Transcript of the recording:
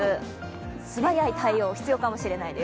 素早い対応、必要かもしれないです